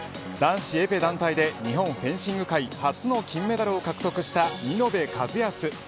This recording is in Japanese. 男子エペ団体で日本フェンシング界初の金メダルを獲得した見延和靖。